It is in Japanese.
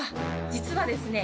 実はですね